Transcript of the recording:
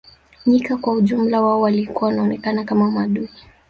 Nyika kwa ujumla wao walikuwa wanaonekana kama maadui